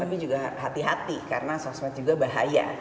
tapi juga hati hati karena sosmed juga bahaya